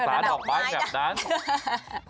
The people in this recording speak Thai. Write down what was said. ไม่ใช่ภาษาดอกไม้แบบนั้น